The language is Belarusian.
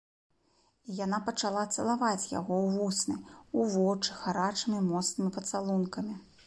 І яна пачала цалаваць яго ў вусны, у вочы гарачымі моцнымі пацалункамі.